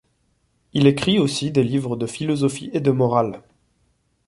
Il écrit aussi des livres de philosophie et de morale.